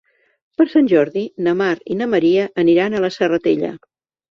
Per Sant Jordi na Mar i na Maria aniran a la Serratella.